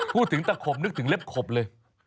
พูดถึงตะเข็บนึกถึงเล็บขบเลย